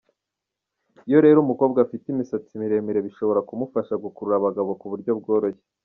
Iyo rero umukobwa afite imisatsi miremire bishobora kumufasha gukurura abagabo ku buryo bworoshye.